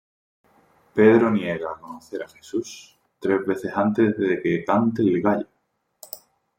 Pedro niega conocer a Jesús tres veces antes de que cante el gallo.